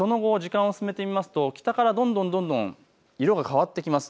その後、時間を進めてみますと北からどんどん色が変わってきます。